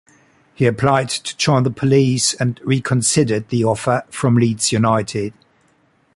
He applied to join the police and reconsidered the offer from Leeds United.